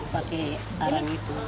pakai arang itu